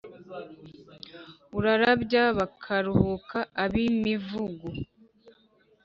Urarabya bakarahuka ab’i Mivugu,